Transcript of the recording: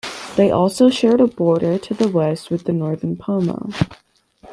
They also shared a border to the west with the Northern Pomo.